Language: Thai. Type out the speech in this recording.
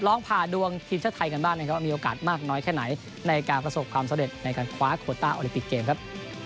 ผ่าดวงทีมชาติไทยกันบ้างนะครับว่ามีโอกาสมากน้อยแค่ไหนในการประสบความสำเร็จในการคว้าโคต้าโอลิปิกเกมครับ